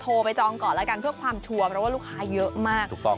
โทรไปจองก่อนแล้วกันเพื่อความชัวร์เพราะว่าลูกค้าเยอะมากถูกต้อง